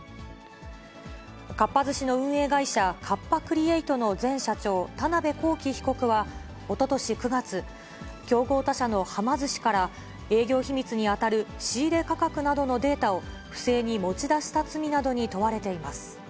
かっぱ寿司の運営会社、カッパ・クリエイトの前社長、田辺公己被告は、おととし９月、競合他社のはま寿司から、営業秘密に当たる仕入れ価格などのデータを、不正に持ち出した罪などに問われています。